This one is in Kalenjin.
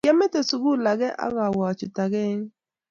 Kiamete sukul ake ak awe achut ake eng